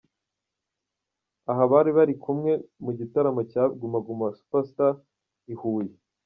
Aha bari bari kumwe mu gitaramo cya Primus Guma Guma Super Star i Huye.